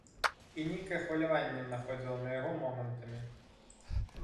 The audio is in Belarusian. І нейкае хваляванне находзіла на яго момантамі.